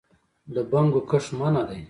د بنګو کښت منع دی؟